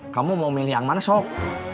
kamu mau milih yang mana sok